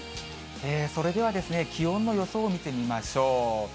それではですね、気温の予想を見てみましょう。